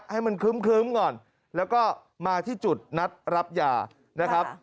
ให้มันครึ้มก่อนแล้วก็มาที่จุดนัดรับยานะครับ